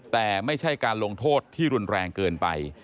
แต่ไม่ใช่การลงโทษที่รุนแรงเกินไป